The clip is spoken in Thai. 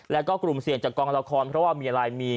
แล้วก็กลุ่มเสี่ยงจากกองละครเพราะว่ามีอะไรมี